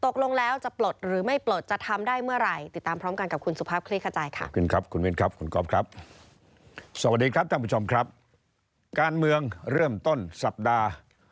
การเมืองเริ่มต้นสัปดาห์